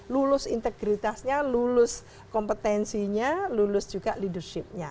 lulus integritasnya lulus kompetensinya lulus juga leadershipnya